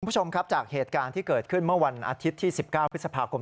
คุณผู้ชมครับจากเหตุการณ์ที่เกิดขึ้นเมื่อวันอาทิตย์ที่๑๙พฤษภาคม